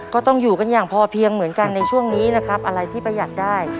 ก็ต้องอยู่กันอย่างพอเพียงเหมือนกันในช่วงนี้นะครับอะไรที่ประหยัดได้